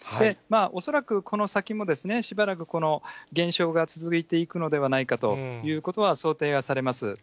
恐らくこの先も、しばらくこの減少が続いていくのではないかということは、想定はされます。